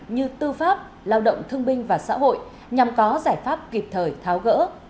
như tư pháp lao động thương binh và xã hội nhằm có giải pháp kịp thời tháo gỡ